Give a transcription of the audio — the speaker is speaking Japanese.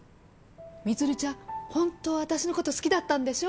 充ちゃんホントは私のこと好きだったんでしょ？